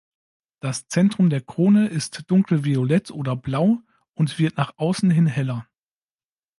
Das Zentrum der Krone ist dunkelviolett oder -blau und wird nach außen hin heller.